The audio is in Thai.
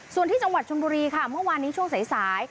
ส่วนที่จังหวัดชนบุรีค่ะเมื่อวานนี้ช่วงสาย